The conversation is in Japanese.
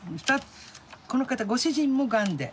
この方ご主人もがんで。